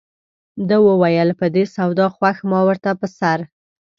ده وویل په دې سودا خوښ ما ورته په سر.